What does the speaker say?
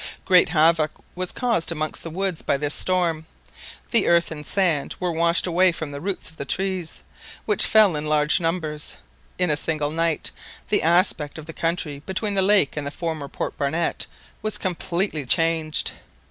Great havoc was caused amongst the woods by this storm; the earth and sand were washed away from the roots of the trees, which fell in large numbers. In a single night the aspect of the country between the lake and the former Port Barnett was completely changed.